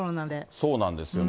そうなんですよね。